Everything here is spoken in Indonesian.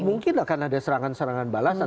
mungkin akan ada serangan serangan balasan